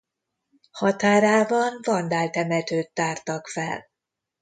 Határában vandál temetőt tártak fel.